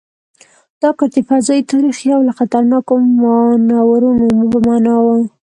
دا کار د فضايي تاریخ یو له خطرناکو مانورونو په معنا و.